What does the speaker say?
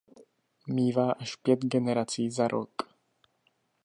Mívá až pět generací za rok.